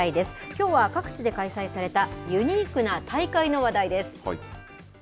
きょうは、各地で開催されたユニークな大会の話題です。